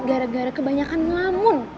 gara gara kebanyakan ngamun